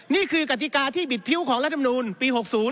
นี่คือกติกาที่บิดพิ้วของรัฐมนูลปี๖๐